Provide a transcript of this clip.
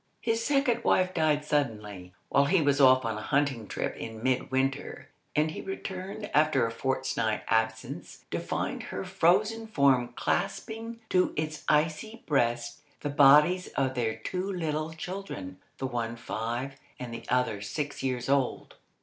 His second wife died suddenly, while he was off on a hunting trip in mid winter; and he returned, after a fortnight's absence, to find her frozen form clasping to its icy breast the bodies of their two little children, the one five and the other six years old.